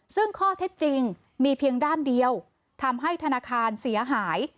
ซึ่งข้อเท็จจริงมีเพียงด้านเดียวทำให้ธนาคารเสียหาย